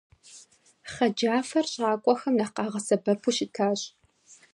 Хъэджафэр щакӀуэхэм нэхъ къагъэсэбэпу щытащ.